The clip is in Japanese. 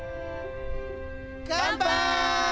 乾杯！